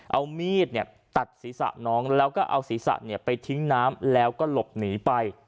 เอามีดตัดศีรษะน้องแล้วก็เอาศีรษะไปทิ้งน้ำแล้วก็หลบหนีไป